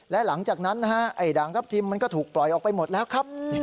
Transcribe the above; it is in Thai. และหลังจากนั้นนะฮะไอ้ด่างทัพทิมมันก็ถูกปล่อยออกไปหมดแล้วครับ